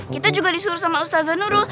kita juga disuruh sama ustazah nurul